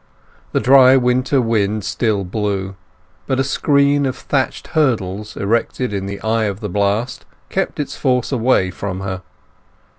The dry winter wind still blew, but a screen of thatched hurdles erected in the eye of the blast kept its force away from her.